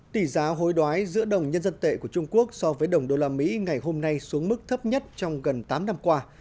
tỷ giá hối đoái giữa đồng nhân dân tệ của trung quốc so với đồng đô la mỹ ngày hôm nay xuống mức thấp nhất trong gần tám năm qua